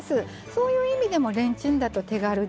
そういう意味でもレンチンだと手軽でね